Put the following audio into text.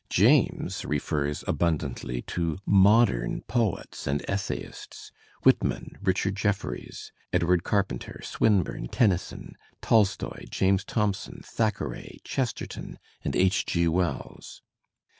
James refers abundantly to modem poets and essayists, Whitman, Richard Je£Peries, Edward Carpenter, Swinburne, Tennyson, Tolstoy, James Thomson, Thackeray, Chesterton and H. G. Wells.